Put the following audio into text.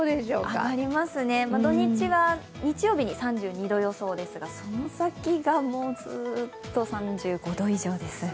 上がりますね、日曜日に３２度予想ですがその先がずっと３５度以上です。